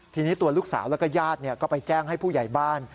ทีนี้ตัวลูกสาวแล้วก็ญาติก็ไปแจ้งให้ผู้ใหญ่บ้าน